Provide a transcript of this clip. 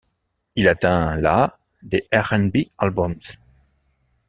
Il atteint la des R&B Albums.